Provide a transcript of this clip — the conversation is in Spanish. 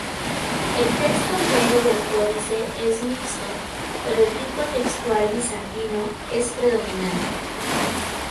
El texto griego del códice es mixto, pero el tipo textual bizantino es predominante.